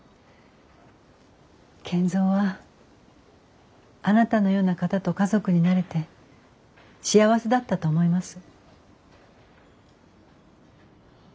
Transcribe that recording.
賢三はあなたのような方と家族になれて幸せだったと思います。